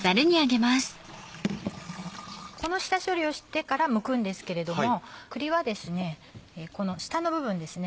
この下処理をしてからむくんですけれども栗はこの下の部分ですね